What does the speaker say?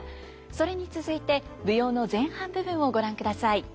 それに続いて舞踊の前半部分をご覧ください。